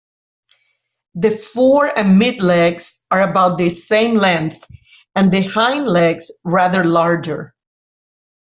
The fore and mid-legs are about the same length and the hind-legs rather larger.